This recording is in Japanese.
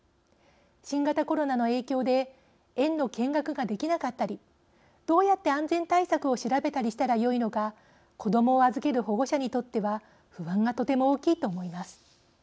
新型コロナの影響で園の見学ができなかったりどうやって安全対策を調べたりしたらよいのか子どもを預ける保護者にとっては不安がとても大きいと思います。